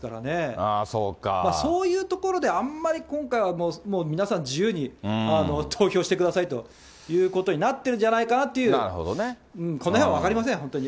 そういうところで、あんまり今回はもう皆さん自由に投票してくださいということになってるんじゃないかなという、このへんは分かりません、本当に。